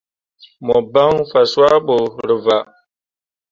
Mo ban fa cuah bo rǝwaa.